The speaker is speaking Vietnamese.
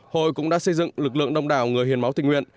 hội cũng đã xây dựng lực lượng đông đảo người hiến máu tình nguyện